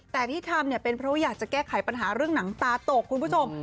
แต่ที่ทำเนี่ยเป็นเพราะว่าอยากจะแก้ไขปัญหาเรื่องหนังตาตกคุณผู้ชม